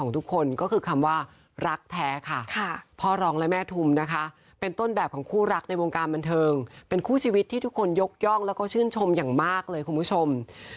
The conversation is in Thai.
ทุกคนยกย่องแล้วก็ชื่นชมอย่างมากเลยคุณผู้ชม